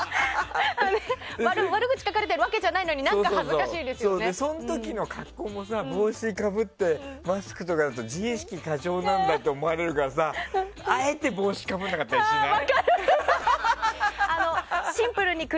悪口を書かれてるわけじゃないのにそん時の格好も帽子をかぶってマスクとかだと自意識過剰なんだと思われるからあえて帽子かぶらなかったりしない？